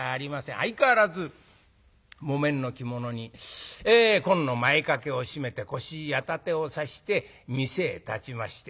相変わらず木綿の着物に紺の前掛けを締めて腰に矢立てを差して店へ立ちまして。